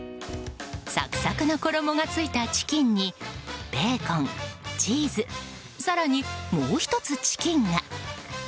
サクサクの衣がついたチキンにベーコン、チーズ更に、もう１つチキンが。